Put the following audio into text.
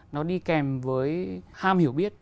nó đi kèm với ham hiểu biết